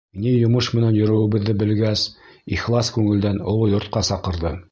Ни йомош менән йөрөүебеҙҙе белгәс, ихлас күңелдән оло йортҡа саҡырҙы.